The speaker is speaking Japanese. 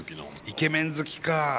イケメン好きか。